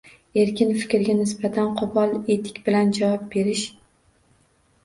Erkin fikrga nisbatan qo‘pol etik bilan javob berish